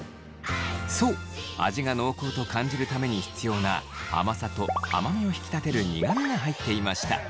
そう味が濃厚と感じるために必要な甘さと甘味を引き立てる苦味が入っていました。